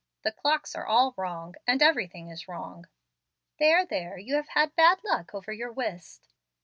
The clocks are all wrong, and everything is wrong." "There, there, you have had bad luck over your whist."